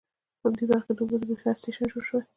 په همدې برخه کې د اوبو د بریښنا سټیشن جوړ شوي دي.